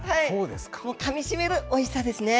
もうかみしめるおいしさですね。